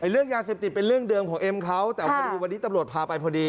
เรื่องยาเสพติดเป็นเรื่องเดิมของเอ็มเขาแต่พอดีวันนี้ตำรวจพาไปพอดี